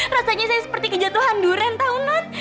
rasanya saya seperti kejatuhan durian tau non